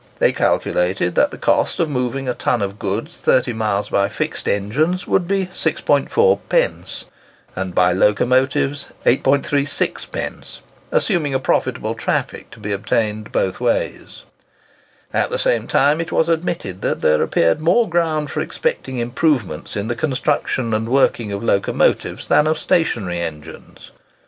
They calculated that the cost of moving a ton of goods thirty miles by fixed engines would be 6.40d., and by locomotives, 8.36d.,—assuming a profitable traffic to be obtained both ways. At the same time it was admitted that there appeared more ground for expecting improvements in the construction and working of locomotives than of stationary engines.